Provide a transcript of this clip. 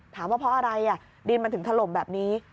ว่าเพราะอะไรดินมันถึงถล่มแบบนี้